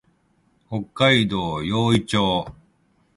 北海道様似町